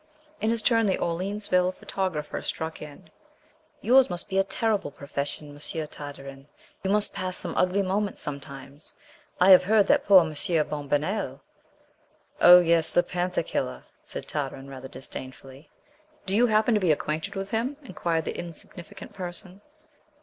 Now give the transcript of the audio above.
In his turn, the Orleansville photographer struck in: "Yours must be a terrible profession, Monsieur Tartarin. You must pass some ugly moments sometimes. I have heard that poor Monsieur Bombonnel" "Oh, yes, the panther killer," said Tartarin, rather disdainfully. "Do you happen to be acquainted with him?" inquired the insignificant person.